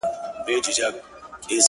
o حتمآ به ټول ورباندي وسوځيږي؛